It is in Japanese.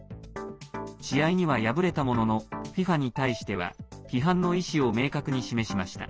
試合には敗れたもののＦＩＦＡに対しては批判の意思を明確に示しました。